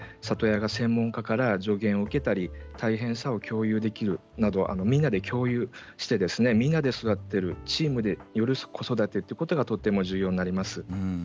里親が専門家から助言を受けたり大変さを共有できるなどみんなで共有してみんなで育てるチームによる子育てということがとても重要になります。